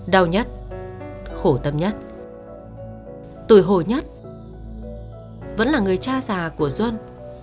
đau nhất khổ tâm nhất tuổi hồ nhất vẫn là người cha già của duân